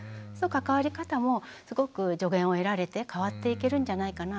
関わり方もすごく助言を得られて変わっていけるんじゃないかな。